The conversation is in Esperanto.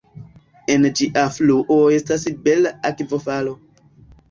En ĝia fluo estas bela akvofalo.